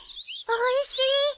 おいしい！